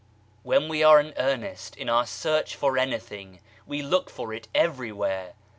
When we are in earnest in our search for anything we look for it everywliejre.